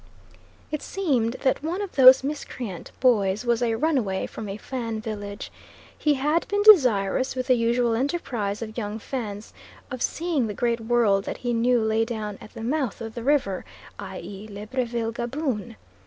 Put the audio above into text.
It seemed that one of those miscreant boys was a runaway from a Fan village. He had been desirous, with the usual enterprise of young Fans, of seeing the great world that he knew lay down at the mouth of the river, i.e. Libreville Gaboon.